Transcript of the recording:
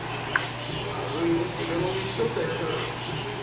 悪いのはのけ者にしちょったヤツらじゃ。